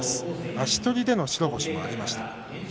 足取りでの白星もありました。